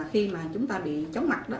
khi mà chúng ta bị chóng mặt